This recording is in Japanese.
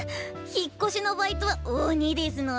引っ越しのバイトはオニですの。